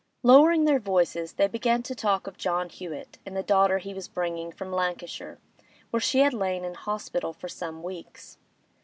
Lowering their voices, they began to talk of John Hewett and the daughter he was bringing from Lancashire, where she had lain in hospital for some weeks.